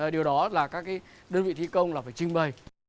điều đó là các đơn vị thi công là phải trình bày